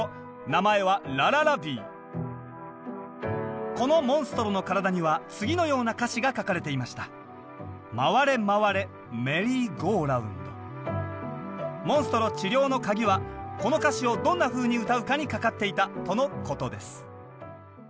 名前はこのモンストロの体には次のような歌詞が書かれていましたモンストロ治療のカギはこの歌詞をどんなふうに歌うかにかかっていたとのことです。